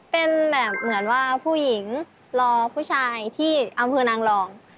เป็นแบบเหมือนว่าผู้หญิงรอผู้ชายที่อำเภอนางรอง